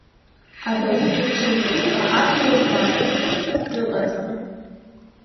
Адау дыԥшит, аха аԥсуа дмааит, дыҟаӡам.